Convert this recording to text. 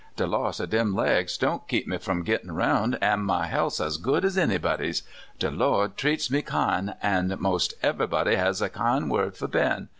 De loss o' dem legs don't keep me from gittin' about, an' my health's as good as anybody's. De Lord treats me kin', an' mos' everybody has a kin' word for Ben.